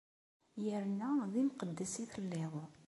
Yerna d imqeddes i telliḍ.